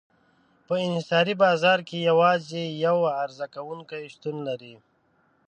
په انحصاري بازار کې یوازې یو عرضه کوونکی شتون لري.